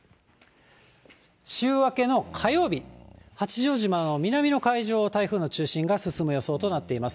週明けの火曜日、八丈島の南の海上を台風の中心が進む予想となっています。